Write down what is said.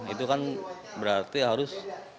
itu kan berarti harus